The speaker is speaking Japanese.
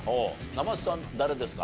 生瀬さん誰ですか？